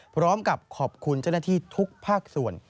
พร้อมกับขอบคุณเจ้าหน้าที่ทุกภาคส่วน